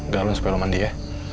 galun supaya lo mandi ya